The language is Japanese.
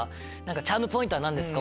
チャームポイントは何ですか？